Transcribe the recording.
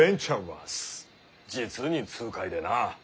実に痛快でなあ。